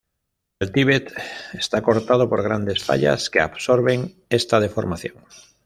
El Tíbet está cortado por grandes fallas que absorben esta deformación.